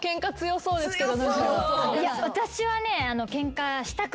いや私はね。